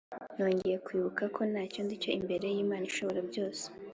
nongera kwibuka ko ntacyo ndicyo Imbere y'Imana ishobora byose